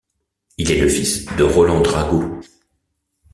Il est le fils de Roland Drago.